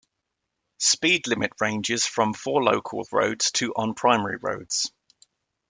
Speed limit ranges from for local roads to on primary roads.